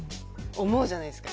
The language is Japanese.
思うじゃないですか？